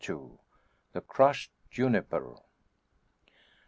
THE CRUSHED JUNIPER.